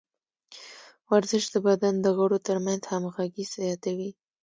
ورزش د بدن د غړو ترمنځ همغږي زیاتوي.